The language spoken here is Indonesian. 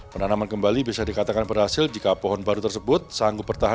penanaman kembali bisa dikatakan berhasil jika pohon baru tersedia